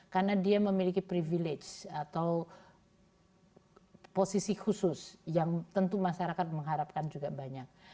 karena dia memiliki privilege atau posisi khusus yang tentu masyarakat mengharapkan juga banyak